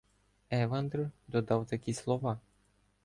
Евандр додав такі слова: